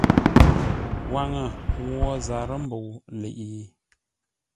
Waŋə ghwo zarə́ mbə̂u ləiʼi?